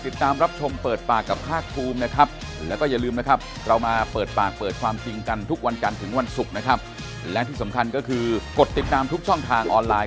เพราะว่าคืนนี้พรุ่งนี้ก็ต้องเจรจารัฐมนตรีถ้าลงตัวแล้ว